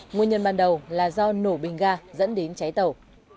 nguyên nhân ban đầu là do nổ bình ga dẫn đến cháy tàu